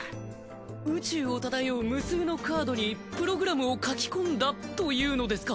宇宙を漂う無数のカードにプログラムを書き込んだというのですか？